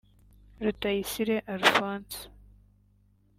Rutayisire Alphonse